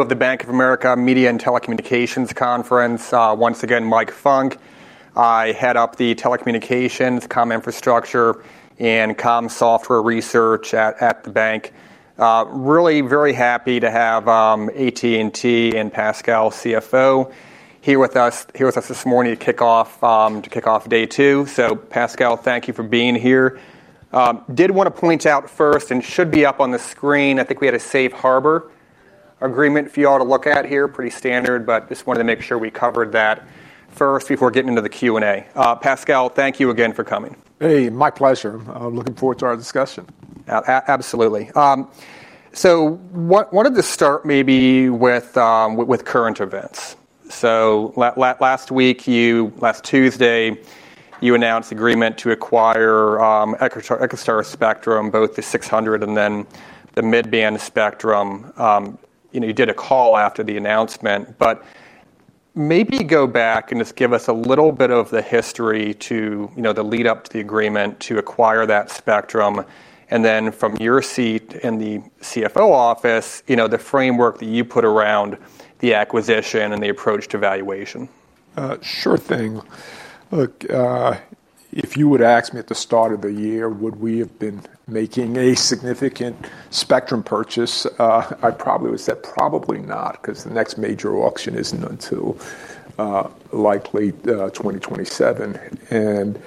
... of the Bank of America Media and Telecommunications Conference. Once again, Mike Funk. I head up the telecommunications, comm infrastructure, and comm software research at the bank. Really very happy to have AT&T and Pascal, CFO, here with us this morning to kick off day two. So Pascal, thank you for being here. Did want to point out first, and should be up on the screen, I think we had a safe harbor agreement for you all to look at here. Pretty standard, but just wanted to make sure we covered that first before getting into the Q&A. Pascal, thank you again for coming. Hey, my pleasure. I'm looking forward to our discussion. Absolutely. So, what I wanted to start maybe with current events. Last Tuesday, you announced agreement to acquire EchoStar spectrum, both the 600 and then the mid-band spectrum. You know, you did a call after the announcement, but maybe go back and just give us a little bit of the history to the lead up to the agreement to acquire that spectrum, and then from your seat in the CFO office, you know, the framework that you put around the acquisition and the approach to valuation. Sure thing. Look, if you were to ask me at the start of the year, would we have been making a significant spectrum purchase? I probably would say probably not, 'cause the next major auction isn't until likely 2027. And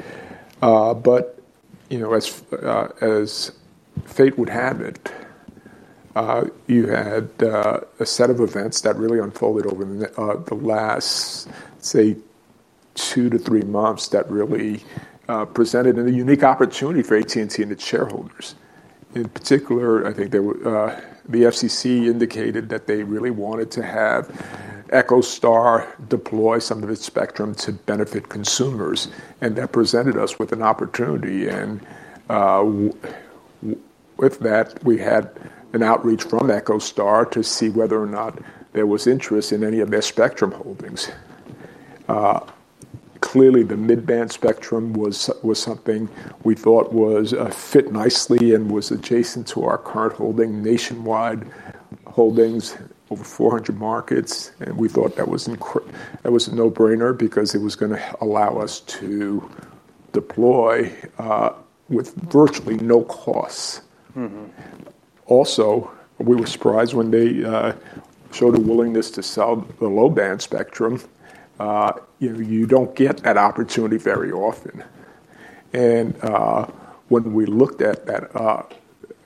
but you know, as fate would have it, you had a set of events that really unfolded over the last, say, two to three months, that really presented a unique opportunity for AT&T and its shareholders. In particular, I think they were the FCC indicated that they really wanted to have EchoStar deploy some of its spectrum to benefit consumers, and that presented us with an opportunity, and with that, we had an outreach from EchoStar to see whether or not there was interest in any of their spectrum holdings. Clearly, the mid-band spectrum was something we thought was fit nicely and was adjacent to our current holding, nationwide holdings, over 400 markets, and we thought that was a no-brainer because it was gonna allow us to deploy with virtually no costs. Mm-hmm. Also, we were surprised when they showed a willingness to sell the low-band spectrum. You know, you don't get that opportunity very often, and when we looked at that,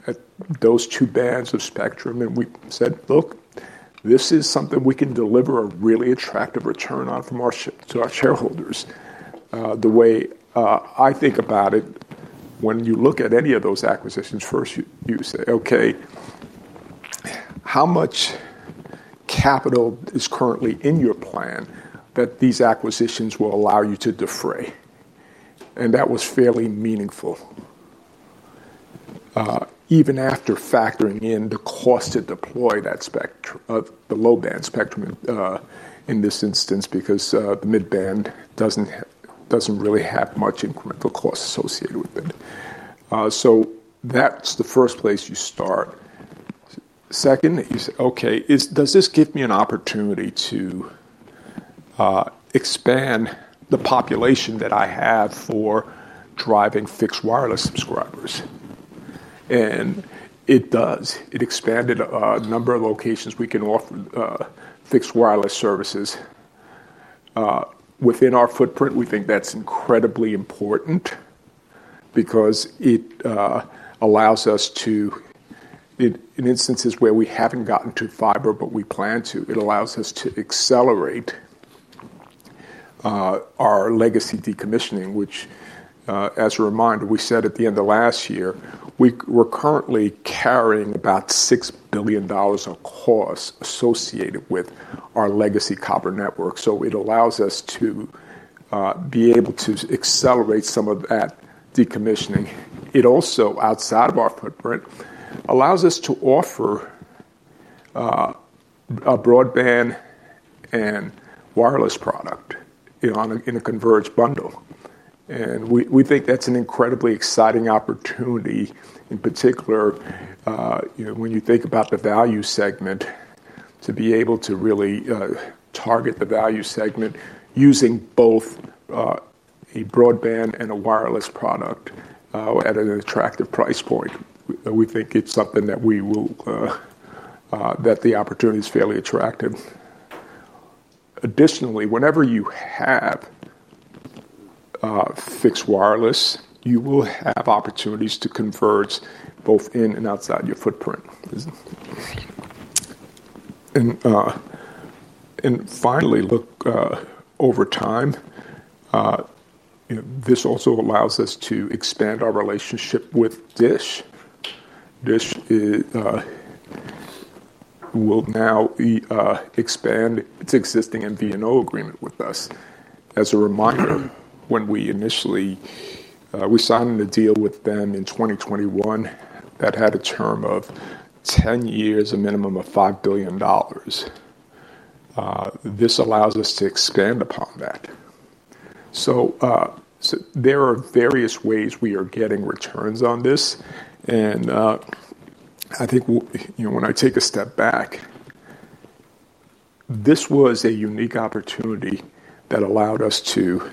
at those two bands of spectrum, and we said, "Look, this is something we can deliver a really attractive return on to our shareholders." The way I think about it, when you look at any of those acquisitions, first you say, "Okay, how much capital is currently in your plan that these acquisitions will allow you to defray?" That was fairly meaningful, even after factoring in the cost to deploy the low-band spectrum in this instance, because the mid-band doesn't really have much incremental cost associated with it, so that's the first place you start. Second, you say, "Okay, does this give me an opportunity to expand the population that I have for driving fixed wireless subscribers?" And it does. It expanded a number of locations we can offer fixed wireless services within our footprint. We think that's incredibly important because it allows us to, in instances where we haven't gotten to fiber, but we plan to, it allows us to accelerate our legacy decommissioning, which, as a reminder, we said at the end of last year, we're currently carrying about $6 billion of costs associated with our legacy copper network. So it allows us to be able to accelerate some of that decommissioning. It also, outside of our footprint, allows us to offer a broadband and wireless product, you know, in a converged bundle. We think that's an incredibly exciting opportunity, in particular, you know, when you think about the value segment, to be able to really target the value segment using both a broadband and a wireless product at an attractive price point. We think it's something that the opportunity is fairly attractive. Additionally, whenever you have fixed wireless, you will have opportunities to converge both in and outside your footprint. And finally, look, over time, you know, this also allows us to expand our relationship with Dish. Dish will now expand its existing MVNO agreement with us. As a reminder, when we initially signed the deal with them in twenty twenty-one. That had a term of 10 years, a minimum of $5 billion. This allows us to expand upon that. So there are various ways we are getting returns on this, and I think you know, when I take a step back, this was a unique opportunity that allowed us to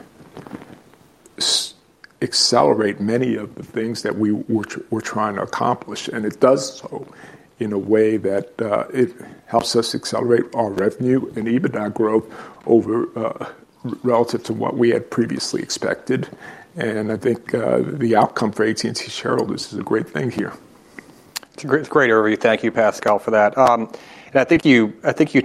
accelerate many of the things that we were we're trying to accomplish. And it does so in a way that it helps us accelerate our revenue and EBITDA growth over relative to what we had previously expected, and I think the outcome for AT&T shareholders is a great thing here. It's a great, great overview. Thank you, Pascal, for that. And I think you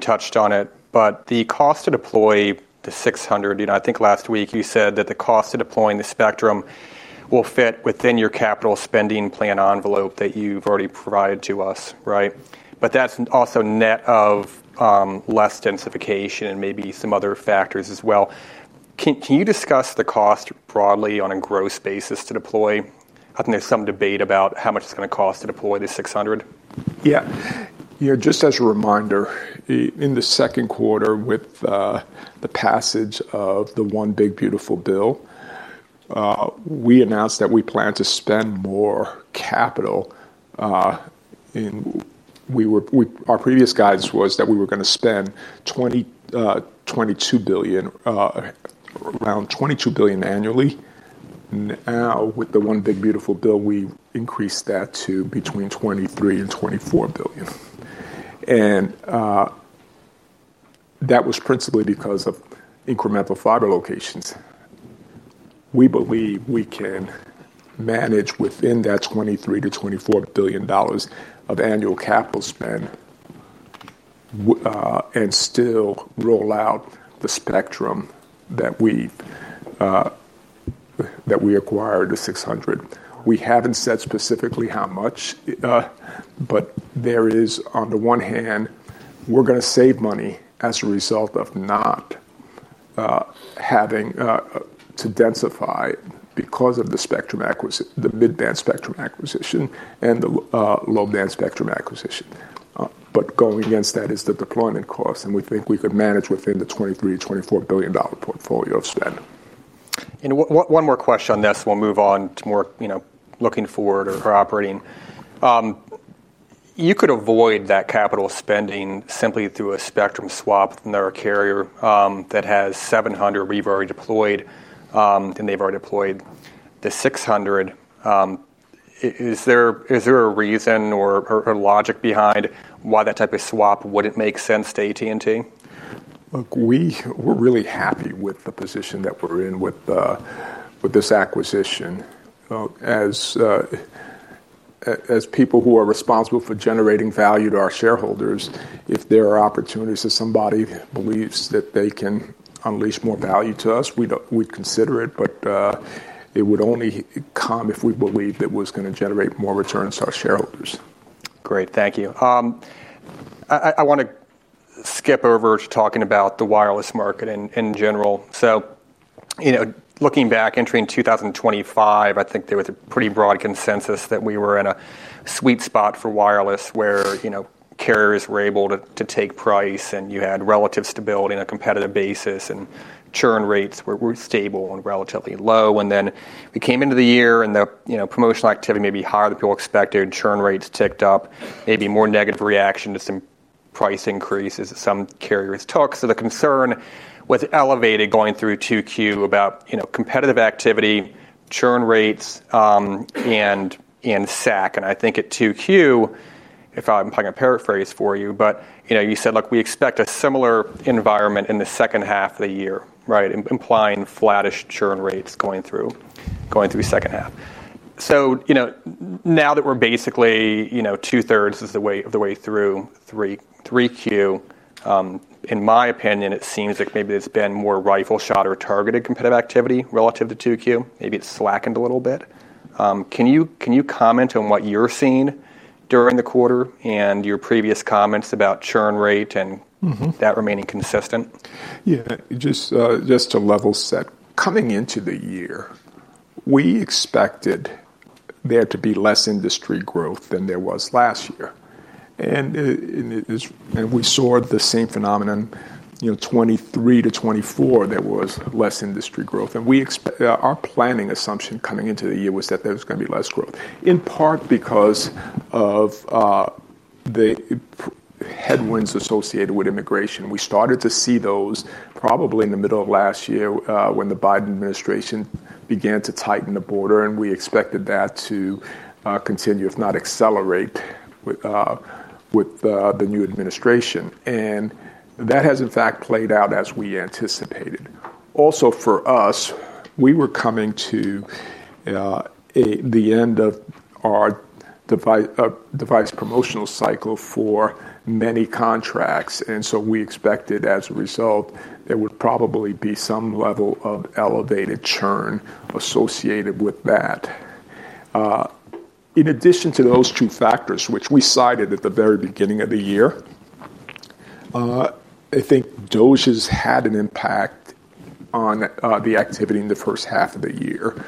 touched on it, but the cost to deploy the six hundred, you know, I think last week you said that the cost of deploying the spectrum will fit within your capital spending plan envelope that you've already provided to us, right? But that's also net of less densification and maybe some other factors as well. Can you discuss the cost broadly on a gross basis to deploy? I think there's some debate about how much it's gonna cost to deploy the six hundred. Yeah. Yeah, just as a reminder, in the second quarter, with the passage of the One Big Beautiful Bill, we announced that we plan to spend more capital. And our previous guidance was that we were gonna spend 22 billion, around 22 billion annually. Now, with the One Big Beautiful Bill, we increased that to between $23 billion and $24 billion. And that was principally because of incremental fiber locations. We believe we can manage within that $23-$24 billion of annual capital spend, and still roll out the spectrum that we acquired, the 600. We haven't said specifically how much, but there is... On the one hand, we're gonna save money as a result of not having to densify because of the mid-band spectrum acquisition and the low-band spectrum acquisition. But going against that is the deployment cost, and we think we could manage within the $23-$24 billion portfolio spend. One more question on this. We'll move on to more, you know, looking forward or operating. You could avoid that capital spending simply through a spectrum swap. Another carrier that has seven hundred, we've already deployed, and they've already deployed the six hundred. Is there a reason or logic behind why that type of swap wouldn't make sense to AT&T? Look, we're really happy with the position that we're in with this acquisition. As people who are responsible for generating value to our shareholders, if there are opportunities that somebody believes that they can unleash more value to us, we'd consider it, but it would only come if we believed it was gonna generate more returns to our shareholders. Great, thank you. I want to skip over to talking about the wireless market in general. So, you know, looking back, entering two thousand and twenty-five, I think there was a pretty broad consensus that we were in a sweet spot for wireless, where, you know, carriers were able to take price, and you had relative stability on a competitive basis, and churn rates were stable and relatively low, and then we came into the year, and you know, promotional activity may be higher than people expected. Churn rates ticked up, maybe more negative reaction to some price increases that some carriers took, so the concern was elevated going through 2Q about, you know, competitive activity, churn rates, and SAC. And I think at 2Q, if I'm gonna paraphrase for you, but, you know, you said, "Look, we expect a similar environment in the second half of the year," right? Implying flattish churn rates going through the second half. So, you know, now that we're basically, you know, two-thirds of the way through 3Q, in my opinion, it seems like maybe there's been more rifle shot or targeted competitive activity relative to 2Q. Maybe it's slackened a little bit. Can you comment on what you're seeing during the quarter and your previous comments about churn rate and- Mm-hmm... that remaining consistent? Yeah, just, just to level set. Coming into the year, we expected there to be less industry growth than there was last year. And we saw the same phenomenon, you know, 2023 to 2024, there was less industry growth. And our planning assumption coming into the year was that there was gonna be less growth, in part because of the headwinds associated with immigration. We started to see those probably in the middle of last year, when the Biden administration began to tighten the border, and we expected that to continue, if not accelerate, with the new administration. And that has in fact played out as we anticipated. Also for us, we were coming to the end of our device promotional cycle for many contracts, and so we expected, as a result, there would probably be some level of elevated churn associated with that. In addition to those two factors, which we cited at the very beginning of the year, I think DOGE has had an impact on the activity in the first half of the year.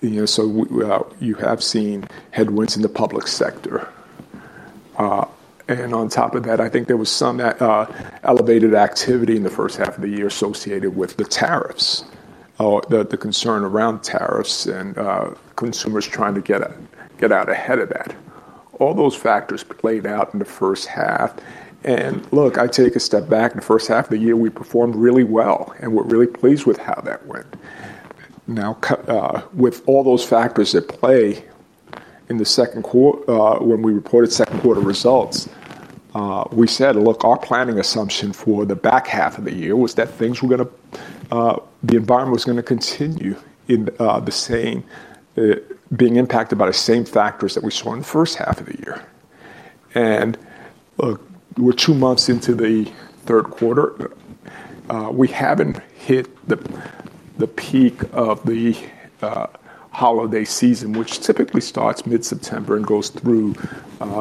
You know, so you have seen headwinds in the public sector. And on top of that, I think there was some elevated activity in the first half of the year associated with the tariffs, or the concern around tariffs and consumers trying to get out, get out ahead of that. All those factors played out in the first half, and look, I take a step back, in the first half of the year, we performed really well, and we're really pleased with how that went. Now, with all those factors at play, in the second quarter when we reported second quarter results, we said, "Look, our planning assumption for the back half of the year was that things were gonna, the environment was gonna continue in, the same being impacted by the same factors that we saw in the first half of the year." And, look, we're two months into the third quarter. We haven't hit the peak of the holiday season, which typically starts mid-September and goes through,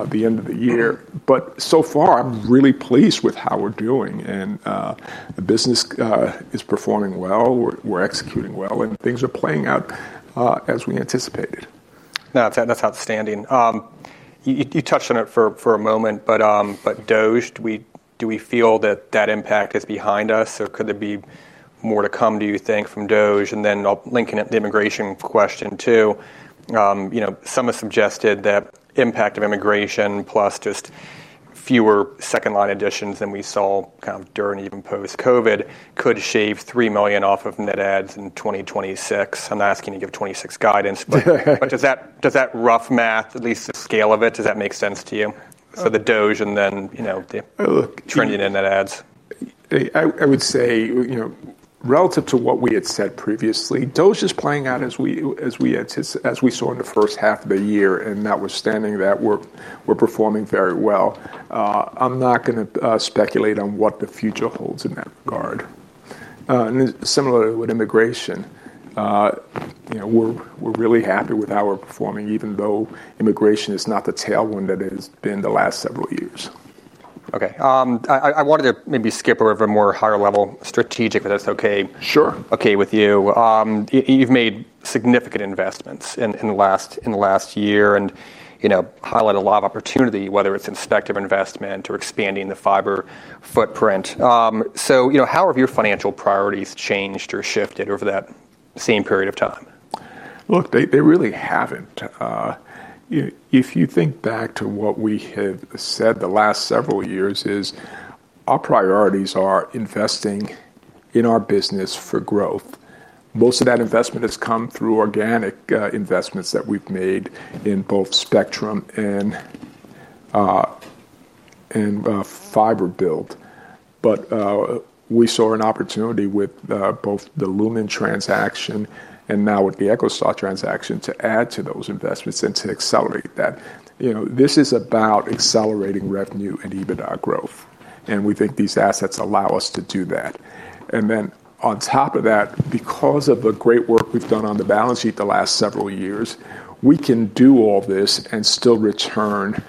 the end of the year. But so far, I'm really pleased with how we're doing, and, the business, is performing well. We're executing well, and things are playing out, as we anticipated. Now, that's outstanding. You touched on it for a moment, but DOGE, do we feel that impact is behind us, or could there be more to come, do you think, from DOGE? And then I'll link it to the immigration question, too. You know, some have suggested that impact of immigration, plus just fewer second line additions than we saw kind of during, even post-COVID, could shave three million off of net adds in 2026. I'm not asking you to give '26 guidance... but does that rough math, at least the scale of it, make sense to you? For the DOGE, and then, you know, the- Uh, look- Trending in net adds. I would say, you know, relative to what we had said previously, DOGE is playing out as we saw in the first half of the year, and notwithstanding that, we're performing very well. I'm not gonna speculate on what the future holds in that regard. And similar with immigration, you know, we're really happy with how we're performing, even though immigration is not the tailwind that it has been the last several years. Okay. I wanted to maybe skip over a more higher-level strategic, if that's okay. Sure... okay with you. You've made significant investments in the last year, and, you know, highlight a lot of opportunity, whether it's in spectrum investment or expanding the fiber footprint. So, you know, how have your financial priorities changed or shifted over that same period of time? Look, they, they really haven't. If you think back to what we have said the last several years is, our priorities are investing in our business for growth. Most of that investment has come through organic, investments that we've made in both spectrum and, and, fiber build. But, we saw an opportunity with, both the Lumen transaction and now with the EchoStar transaction, to add to those investments and to accelerate that. You know, this is about accelerating revenue and EBITDA growth, and we think these assets allow us to do that. And then on top of that, because of the great work we've done on the balance sheet the last several years, we can do all this and still return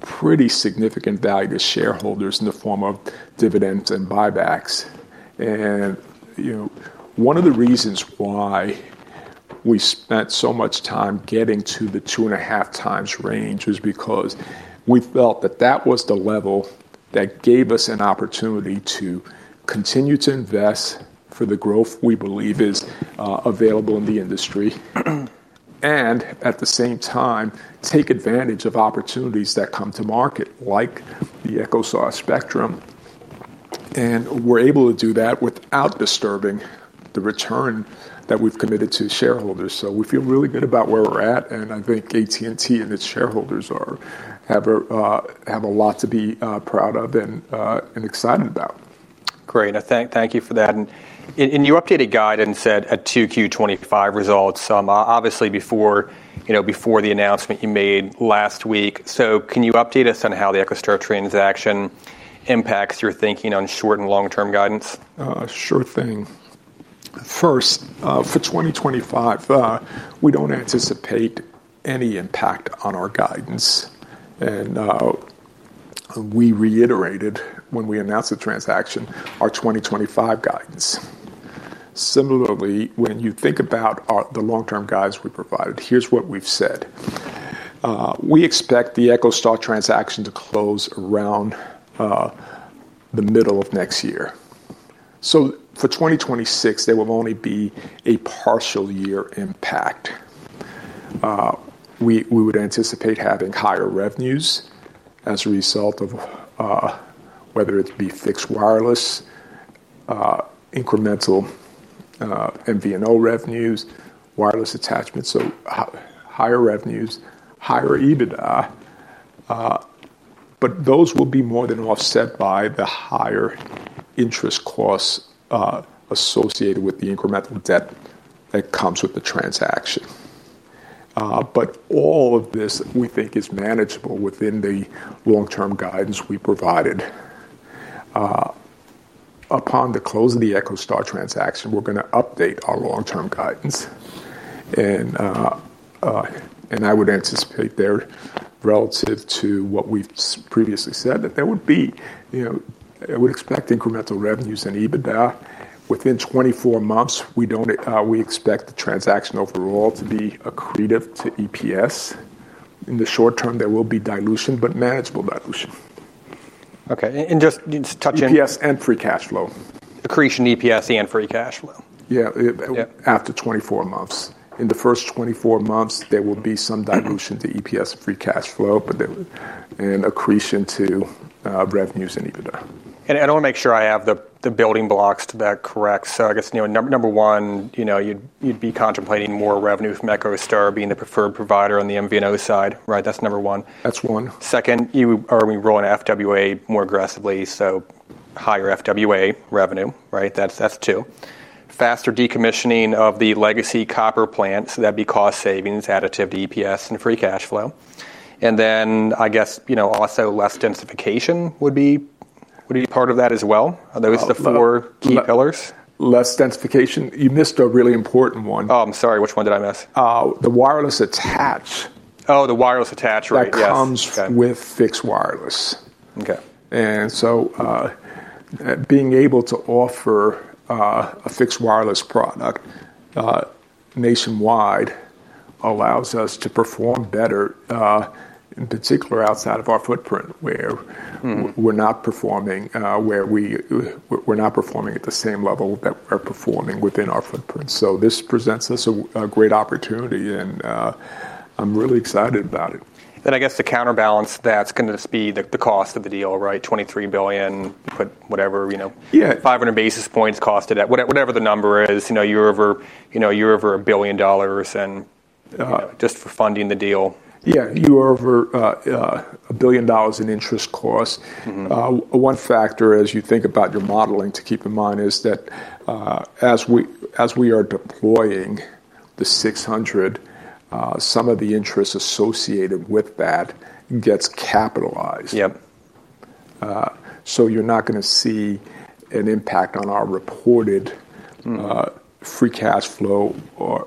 pretty significant value to shareholders in the form of dividends and buybacks. You know, one of the reasons why we spent so much time getting to the two-and-a-half times range was because we felt that that was the level that gave us an opportunity to continue to invest for the growth we believe is available in the industry, and at the same time, take advantage of opportunities that come to market, like the EchoStar Spectrum. We're able to do that without disturbing the return that we've committed to the shareholders. We feel really good about where we're at, and I think AT&T and its shareholders have a lot to be proud of and excited about. Great, and thank you for that. And in your updated guidance, said at 2Q 2025 results, obviously before, you know, before the announcement you made last week. So can you update us on how the EchoStar transaction impacts your thinking on short- and long-term guidance? Sure thing. First, for 2025, we don't anticipate any impact on our guidance. And, we reiterated when we announced the transaction, our 2025 guidance. Similarly, when you think about the long-term guidance we provided, here's what we've said: We expect the EchoStar transaction to close around the middle of next year. So for 2026, there will only be a partial year impact. We would anticipate having higher revenues as a result of whether it be fixed wireless incremental MVNO revenues, wireless attachments. So higher revenues, higher EBITDA, but those will be more than offset by the higher interest costs associated with the incremental debt that comes with the transaction. But all of this, we think, is manageable within the long-term guidance we provided. Upon the close of the EchoStar transaction, we're gonna update our long-term guidance.... and I would anticipate there, relative to what we've previously said, that there would be, you know, I would expect incremental revenues and EBITDA within twenty-four months. We don't, we expect the transaction overall to be accretive to EPS. In the short term, there will be dilution, but manageable dilution. Okay, and just touch on- EPS and free cash flow. Accretion EPS and free cash flow? Yeah, it- Yeah... after 24 months. In the first 24 months, there will be some dilution- Mm... to EPS free cash flow, but there, and accretion to revenues and EBITDA. I wanna make sure I have the building blocks to that correct. I guess, you know, number one, you know, you'd be contemplating more revenue from EchoStar being the preferred provider on the MVNO side, right? That's number one. That's one. Second, you are rolling FWA more aggressively, so higher FWA revenue, right? That's, that's two. Faster decommissioning of the legacy copper plants, that'd be cost savings additive to EPS and free cash flow. And then, I guess, you know, also less densification would be, would be part of that as well. Are those the four key pillars? Less densification. You missed a really important one. Oh, I'm sorry. Which one did I miss? The wireless attach. Oh, the wireless attach, right. Yes. That comes- Okay... with fixed wireless. Okay. Being able to offer a fixed wireless product nationwide allows us to perform better, in particular, outside of our footprint, where- Mm... we're not performing at the same level that we're performing within our footprint. So this presents us a great opportunity, and I'm really excited about it. Then I guess the counterbalance to that's gonna just be the cost of the deal, right? $23 billion, put whatever, you know- Yeah... five hundred basis points cost to that, whatever the number is, you know, you're over, you know, you're over $1 billion and Yeah... just for funding the deal. Yeah. You are over $1 billion in interest costs. Mm-hmm. One factor, as you think about your modeling, to keep in mind is that, as we are deploying the six hundred, some of the interest associated with that gets capitalized. Yep. So you're not gonna see an impact on our reported- Mm... free cash flow or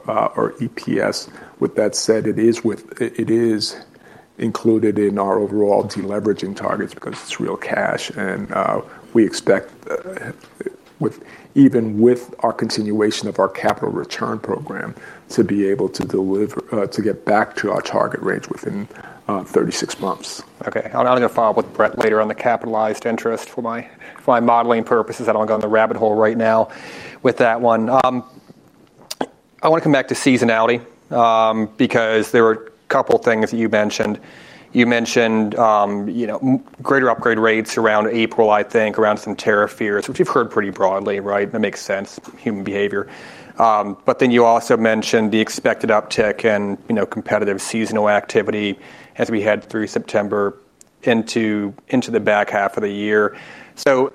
EPS. With that said, it is included in our overall deleveraging targets because it's real cash, and we expect, even with our continuation of our capital return program, to be able to deliver, to get back to our target range within thirty-six months. Okay, I'm gonna follow up with Brett later on the capitalized interest for my modeling purposes. I don't wanna go in the rabbit hole right now with that one. I wanna come back to seasonality, because there were a couple things that you mentioned. You mentioned, you know, greater upgrade rates around April, I think, around some tariff fears, which we've heard pretty broadly. Right? That makes sense, human behavior. But then you also mentioned the expected uptick in, you know, competitive seasonal activity as we head through September into the back half of the year. So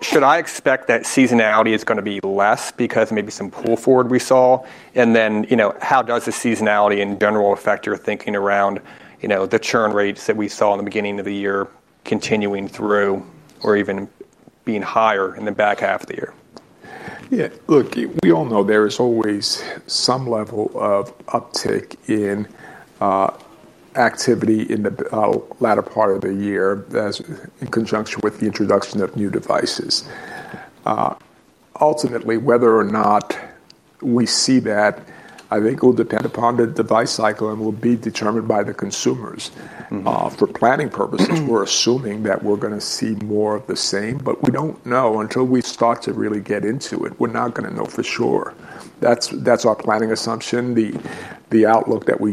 should I expect that seasonality is gonna be less because maybe some pull forward we saw? And then, you know, how does the seasonality in general affect your thinking around, you know, the churn rates that we saw in the beginning of the year continuing through or even being higher in the back half of the year? Yeah, look, we all know there is always some level of uptick in activity in the latter part of the year, as in conjunction with the introduction of new devices. Ultimately, whether or not we see that, I think will depend upon the device cycle and will be determined by the consumers. Mm-hmm. For planning purposes, we're assuming that we're gonna see more of the same, but we don't know until we start to really get into it. We're not gonna know for sure. That's our planning assumption. The outlook that we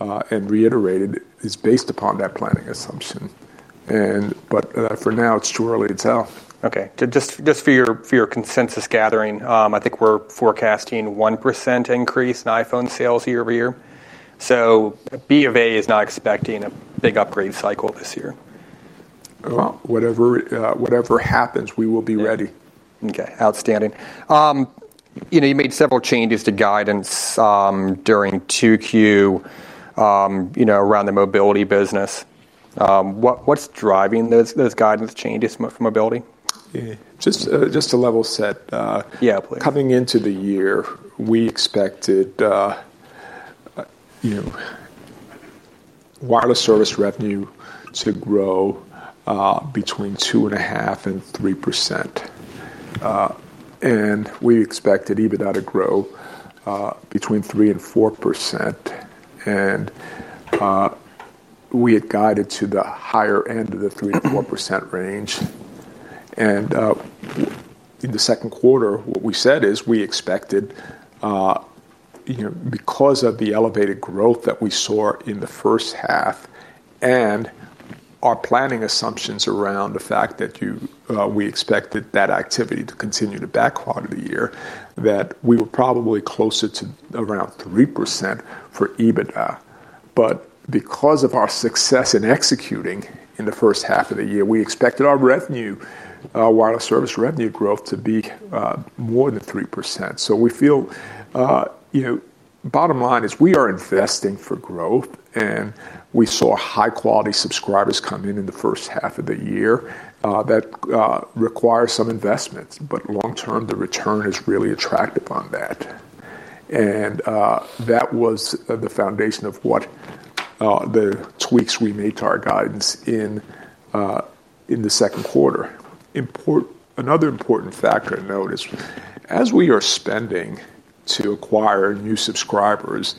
gave and reiterated is based upon that planning assumption, but for now, it's too early to tell. Okay, just for your consensus gathering, I think we're forecasting a 1% increase in iPhone sales year-over-year. So BofA is not expecting a big upgrade cycle this year. Whatever happens, we will be ready. Yeah. Okay, outstanding. You know, you made several changes to guidance during 2Q, you know, around the mobility business. What's driving those guidance changes for mobility? Yeah, just to level set. Yeah, please... coming into the year, we expected, you know, wireless service revenue to grow between 2.5% and 3%. And we expected EBITDA to grow between 3% and 4%, and we had guided to the higher end of the 3%-4% range. And in the second quarter, what we said is, we expected, you know, because of the elevated growth that we saw in the first half and our planning assumptions around the fact that you, we expected that activity to continue the back half of the year, that we were probably closer to around 3% for EBITDA. But because of our success in executing in the first half of the year, we expected our revenue, wireless service revenue growth to be more than 3%. So we feel, you know, bottom line is, we are investing for growth, and we saw high-quality subscribers come in in the first half of the year. That requires some investments, but long term, the return is really attractive on that, and that was the foundation of what the tweaks we made to our guidance in the second quarter. Another important factor to note is, as we are spending to acquire new subscribers,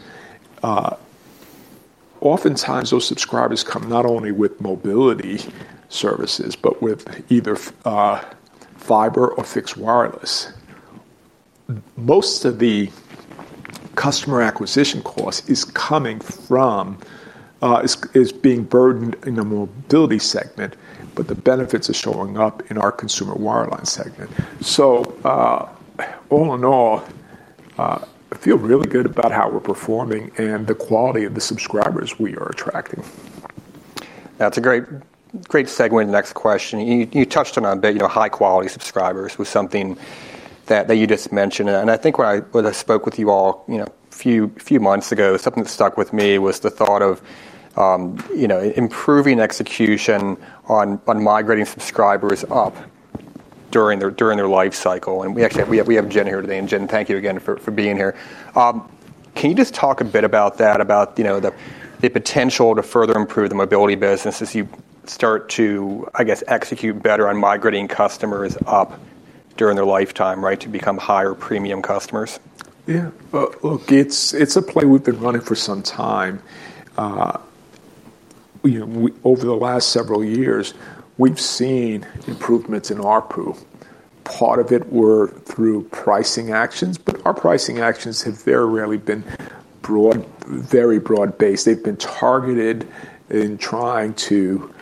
oftentimes those subscribers come not only with mobility services, but with either fiber or fixed wireless. Most of the customer acquisition cost is coming from, is being burdened in the mobility segment, but the benefits are showing up in our consumer wireline segment. All in all, I feel really good about how we're performing and the quality of the subscribers we are attracting. That's a great, great segue into the next question. You touched on it a bit, you know, high-quality subscribers was something that you just mentioned, and I think when I spoke with you all, you know, few months ago, something that stuck with me was the thought of, you know, improving execution on migrating subscribers up during their life cycle, and we actually have Jen here today. Jen, thank you again for being here. Can you just talk a bit about that, about, you know, the potential to further improve the mobility business as you start to, I guess, execute better on migrating customers up during their lifetime, right? To become higher premium customers. Yeah. Well, look, it's, it's a play we've been running for some time. You know, over the last several years, we've seen improvements in ARPU. Part of it were through pricing actions, but our pricing actions have very rarely been broad, very broad-based. They've been targeted in trying to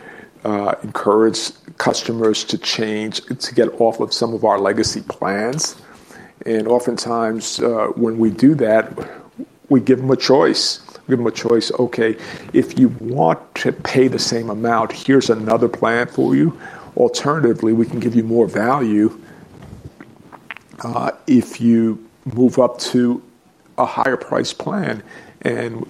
encourage customers to change, to get off of some of our legacy plans. And oftentimes, when we do that, we give them a choice. Give them a choice, "Okay, if you want to pay the same amount, here's another plan for you. Alternatively, we can give you more value if you move up to a higher price plan," and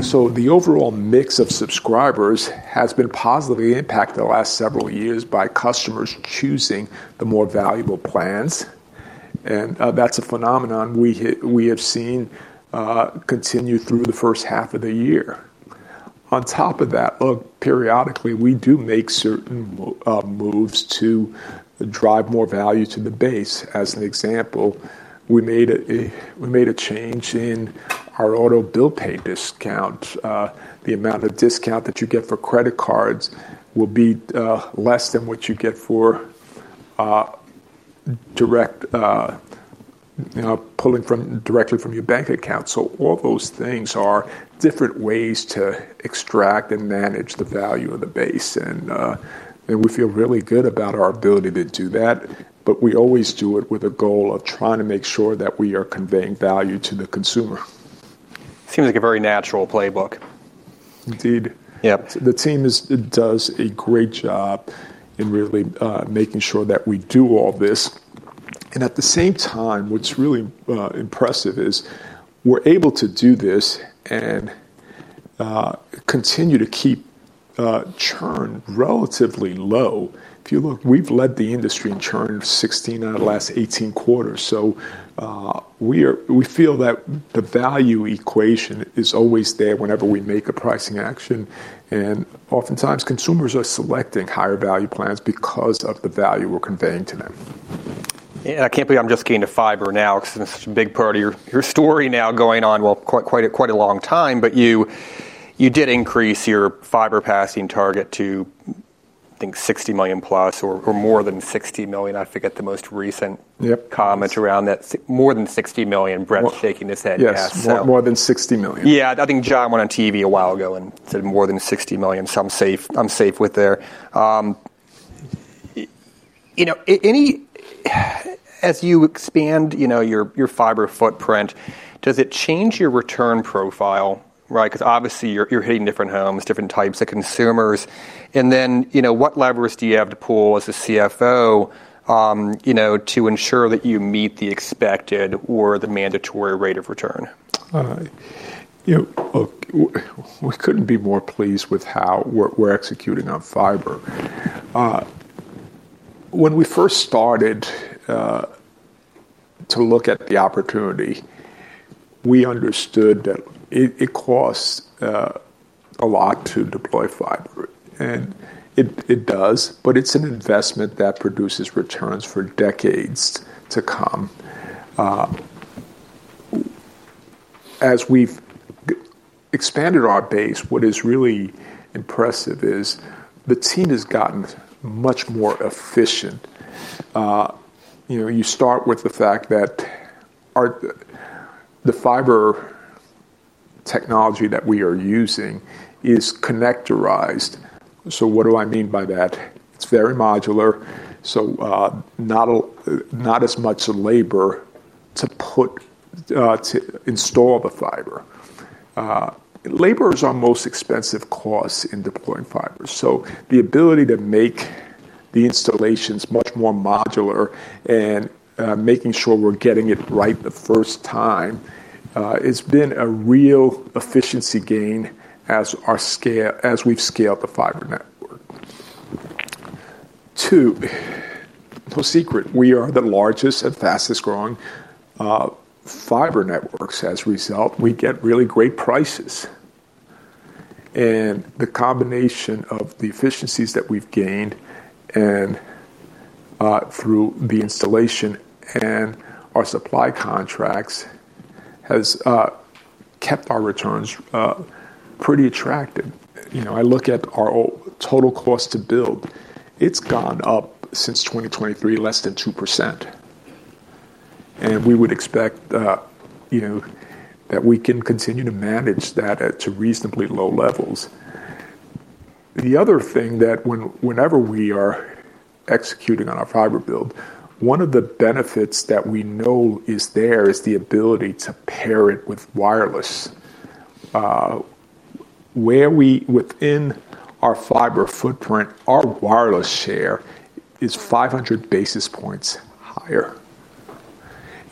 so the overall mix of subscribers has been positively impacted the last several years by customers choosing the more valuable plans, and that's a phenomenon we have seen continue through the first half of the year. On top of that, look, periodically, we do make certain moves to drive more value to the base. As an example, we made a change in our auto bill pay discount. The amount of discount that you get for credit cards will be less than what you get for direct you know pulling from directly from your bank account. So all those things are different ways to extract and manage the value of the base, and we feel really good about our ability to do that, but we always do it with a goal of trying to make sure that we are conveying value to the consumer. Seems like a very natural playbook. Indeed. Yep. The team does a great job in really making sure that we do all this, and at the same time, what's really impressive is, we're able to do this and continue to keep churn relatively low. If you look, we've led the industry in churn 16 out of the last 18 quarters. So, we feel that the value equation is always there whenever we make a pricing action, and oftentimes consumers are selecting higher value plans because of the value we're conveying to them. Yeah, I can't believe I'm just getting to fiber now, because it's such a big part of your story now going on, well, quite a long time, but you did increase your fiber passing target to, I think, 60 million plus or more than 60 million. I forget the most recent- Yep... comment around that. More than 60 million. Well- Brett's shaking his head yes. So- Yes, more than 60 million. Yeah, I think John went on TV a while ago and said more than 60 million, so I'm safe, I'm safe with that. You know, any... As you expand, you know, your fiber footprint, does it change your return profile, right? 'Cause obviously, you're hitting different homes, different types of consumers, and then, you know, what levers do you have to pull as a CFO, you know, to ensure that you meet the expected or the mandatory rate of return? You know, look, we couldn't be more pleased with how we're executing on fiber. When we first started to look at the opportunity, we understood that it costs a lot to deploy fiber, and it does, but it's an investment that produces returns for decades to come. As we've expanded our base, what is really impressive is the team has gotten much more efficient. You know, you start with the fact that the fiber technology that we are using is connectorized. So what do I mean by that? It's very modular, so not as much labor to put to install the fiber. Labor is our most expensive cost in deploying fiber, so the ability to make the installations much more modular and making sure we're getting it right the first time, it's been a real efficiency gain as we've scaled the fiber map. Two, no secret, we are the largest and fastest growing fiber networks. As a result, we get really great prices. And the combination of the efficiencies that we've gained and through the installation and our supply contracts has kept our returns pretty attractive. You know, I look at our total cost to build, it's gone up since 2023, less than 2%. And we would expect, you know, that we can continue to manage that at to reasonably low levels. The other thing that whenever we are executing on our fiber build, one of the benefits that we know is there, is the ability to pair it with wireless. Where we within our fiber footprint, our wireless share is 500 basis points higher.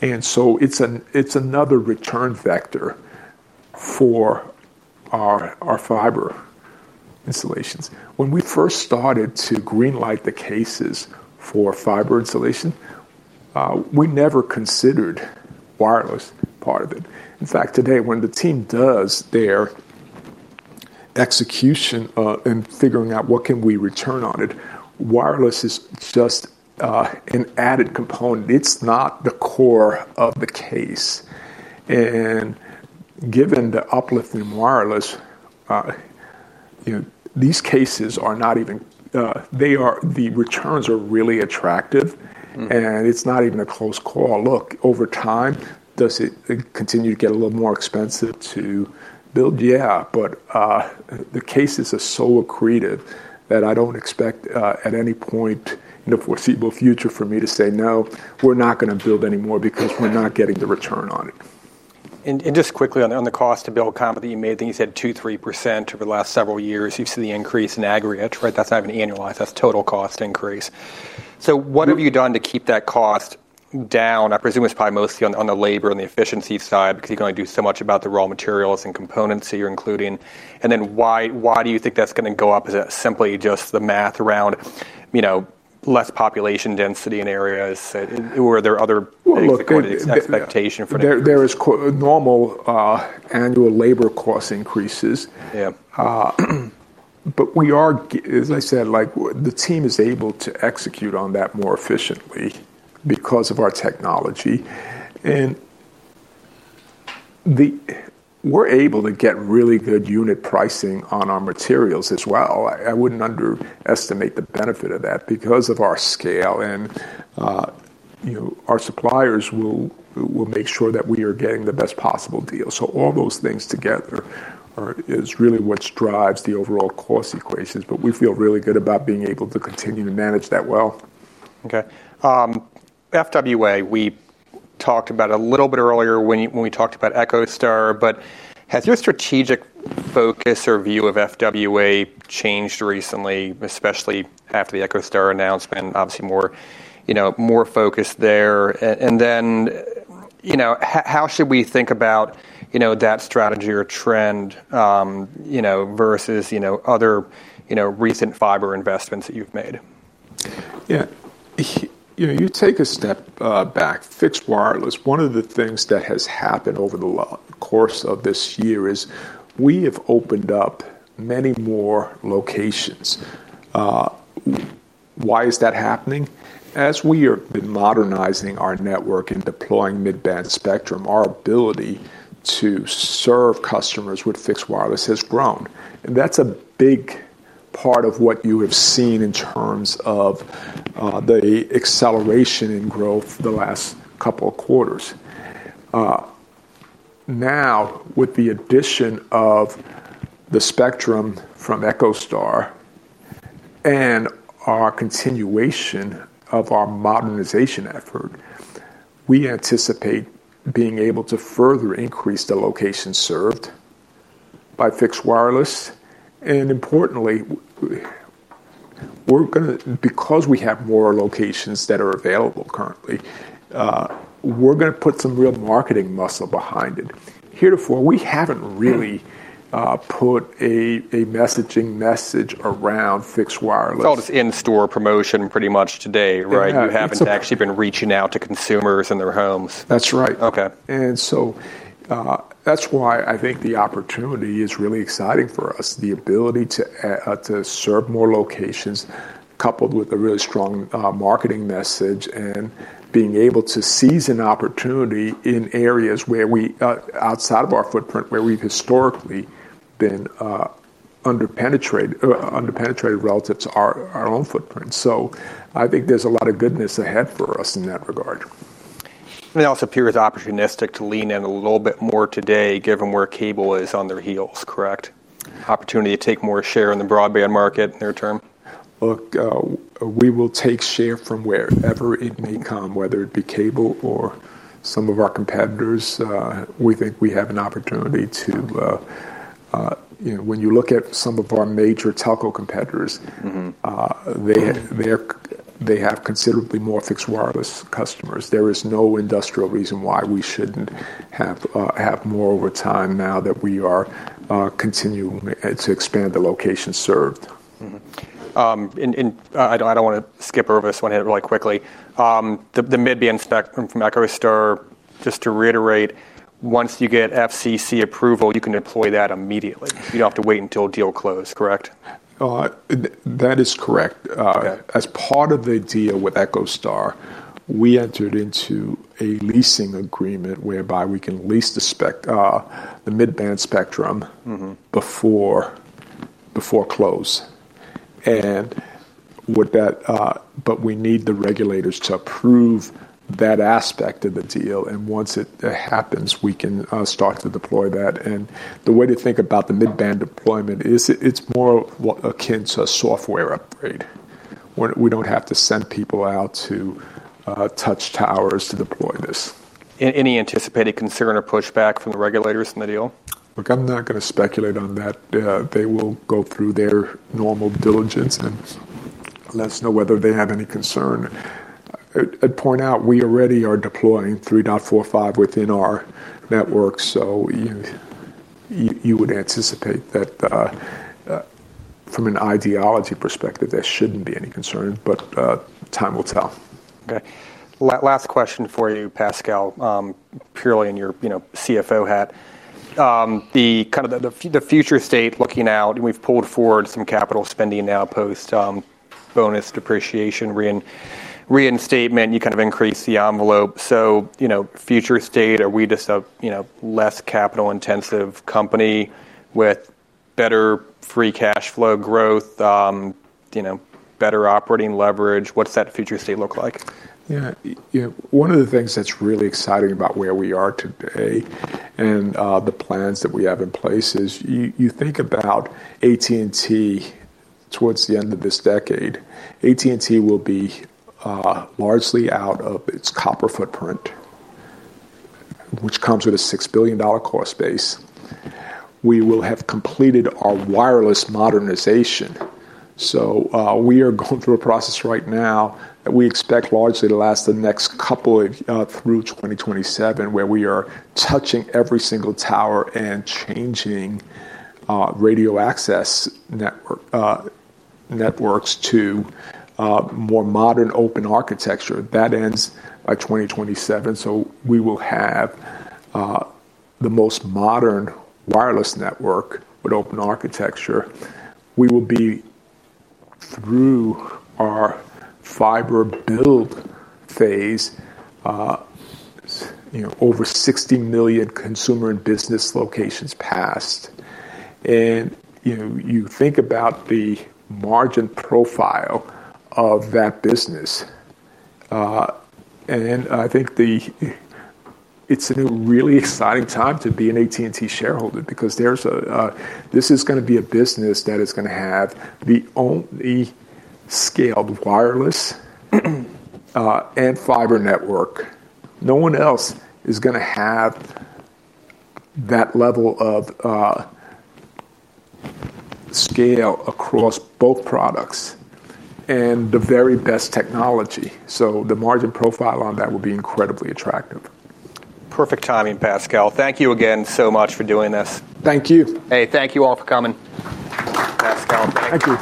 And so it's another return vector for our fiber installations. When we first started to green light the cases for fiber installation, we never considered wireless part of it. In fact, today, when the team does their execution, in figuring out what can we return on it, wireless is just an added component, it's not the core of the case. And given the uplift in wireless, you know, these cases are not even... They are the returns are really attractive. Mm. -and it's not even a close call. Look, over time, does it continue to get a little more expensive to build? Yeah, but, the cases are so accretive that I don't expect, at any point in the foreseeable future for me to say, "No, we're not gonna build any more, because we're not getting the return on it. And just quickly on the cost to build comment that you made, I think you said 2-3% over the last several years. You've seen the increase in aggregate, right? That's not even annualized. That's total cost increase. So what- Mm... have you done to keep that cost down? I presume it's probably mostly on the labor and the efficiency side, because you can only do so much about the raw materials and components that you're including. And then why do you think that's gonna go up? Is that simply just the math around, you know, less population density in areas, or are there other things- Well, look, yeah... that go into expectation for the future? There is normal annual labor cost increases. Yeah. But we are, as I said, like, the team is able to execute on that more efficiently because of our technology. And we're able to get really good unit pricing on our materials as well. I wouldn't underestimate the benefit of that. Because of our scale, and, you know, our suppliers will make sure that we are getting the best possible deal. So all those things together are, is really what drives the overall cost equations, but we feel really good about being able to continue to manage that well. Okay. FWA, we talked about a little bit earlier when we talked about EchoStar, but has your strategic focus or view of FWA changed recently, especially after the EchoStar announcement? Obviously, you know, more focus there. And then, you know, how should we think about that strategy or trend, you know, versus other, you know, recent fiber investments that you've made? Yeah. You know, you take a step back. Fixed wireless, one of the things that has happened over the course of this year is, we have opened up many more locations. Why is that happening? As we are been modernizing our network and deploying mid-band spectrum, our ability to serve customers with fixed wireless has grown. And that's a big part of what you have seen in terms of the acceleration in growth the last couple of quarters. Now, with the addition of the spectrum from EchoStar, and our continuation of our modernization effort, we anticipate being able to further increase the locations served by fixed wireless. And importantly, we're gonna because we have more locations that are available currently, we're gonna put some real marketing muscle behind it. Heretofore, we haven't really- Mm... put a messaging message around fixed wireless. It's all just in-store promotion pretty much today, right? It has. You haven't actually been reaching out to consumers in their homes. That's right. Okay. And so, that's why I think the opportunity is really exciting for us. The ability to serve more locations, coupled with a really strong, marketing message, and being able to seize an opportunity in areas where we, outside of our footprint, where we've historically been, under-penetrated relative to our own footprint. So I think there's a lot of goodness ahead for us in that regard. It also appears opportunistic to lean in a little bit more today, given where cable is on their heels, correct? Mm. Opportunity to take more share in the broadband market near-term. Look, we will take share from wherever it may come, whether it be cable or some of our competitors. We think we have an opportunity to. You know, when you look at some of our major telco competitors- Mm-hmm... they have considerably more fixed wireless customers. There is no industrial reason why we shouldn't have more over time now that we are continuing to expand the locations served. Mm-hmm. And I don't wanna skip over this one, hit it really quickly. The mid-band spectrum from EchoStar, just to reiterate, once you get FCC approval, you can deploy that immediately. Yeah. You don't have to wait until deal close, correct? That is correct. Okay. As part of the deal with EchoStar, we entered into a leasing agreement whereby we can lease the mid-band spectrum. Mm-hmm... before close. With that, but we need the regulators to approve that aspect of the deal, and once it happens, we can start to deploy that. The way to think about the mid-band deployment is it's more akin to a software upgrade, where we don't have to send people out to touch towers to deploy this. Any anticipated concern or pushback from the regulators in the deal? Look, I'm not gonna speculate on that. They will go through their normal diligence and let us know whether they have any concern. I'd point out, we already are deploying 3.45 within our network, so you would anticipate that, from an ideology perspective, there shouldn't be any concern, but time will tell. Okay. Last question for you, Pascal, purely in your, you know, CFO hat. The kind of the future state looking out, and we've pulled forward some capital spending now post bonus depreciation reinstatement, you kind of increased the envelope. So, you know, future state, are we just a, you know, less capital-intensive company with better free cash flow growth, you know, better operating leverage? What's that future state look like? Yeah. You know, one of the things that's really exciting about where we are today and the plans that we have in place is, you think about AT&T towards the end of this decade, AT&T will be largely out of its copper footprint, which comes with a $6 billion cost base. We will have completed our wireless modernization. We are going through a process right now that we expect largely to last the next couple through 2027, where we are touching every single tower and changing radio access networks to more modern open architecture. That ends by 2027, so we will have the most modern wireless network with open architecture. We will be through our fiber build phase, you know, over 60 million consumer and business locations passed. You know, you think about the margin profile of that business, and I think it's a really exciting time to be an AT&T shareholder because there's a, this is gonna be a business that is gonna have the only scaled wireless, and fiber network. No one else is gonna have that level of, scale across both products and the very best technology, so the margin profile on that will be incredibly attractive. Perfect timing, Pascal. Thank you again so much for doing this. Thank you. Hey, thank you all for coming. Pascal, thank you.